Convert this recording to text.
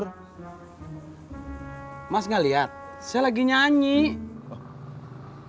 nyanyi nyanyi berjalanan ini sungguh amat melelahkan kalau lalu tidur